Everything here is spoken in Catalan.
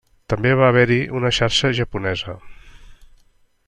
També va haver-hi una xarxa japonesa.